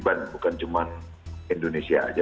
bukan cuma indonesia aja